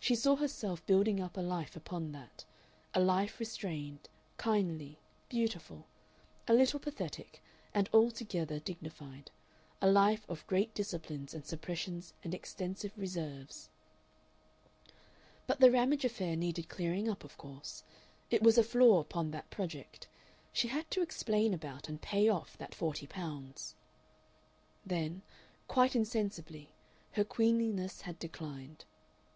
She saw herself building up a life upon that a life restrained, kindly, beautiful, a little pathetic and altogether dignified; a life of great disciplines and suppressions and extensive reserves... But the Ramage affair needed clearing up, of course; it was a flaw upon that project. She had to explain about and pay off that forty pounds.... Then, quite insensibly, her queenliness had declined.